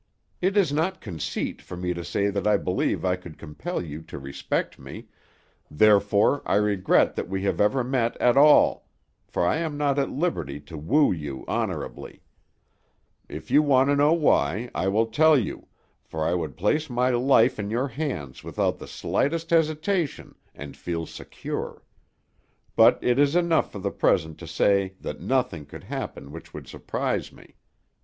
It is not conceit for me to say that I believe I could compel you to respect me, therefore I regret that we have ever met at all, for I am not at liberty to woo you honorably; if you want to know why, I will tell you, for I would place my life in your hands without the slightest hesitation, and feel secure; but it is enough for the present to say that nothing could happen which would surprise me.